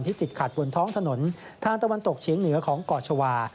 ติดขัดบนท้องถนนทางตะวันตกเฉียงเหนือของเกาะชาวา